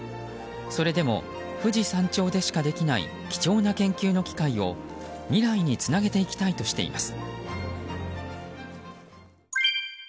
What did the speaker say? それでも富士山頂でしかできない貴重な研究の機会を未来につなげていきたいとしています。